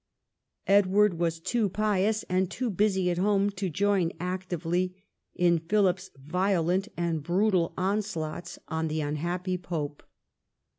Edward was too pious, and too busy at home, to join actively in Philip's violent and brutal onslaughts on the unhappy pope.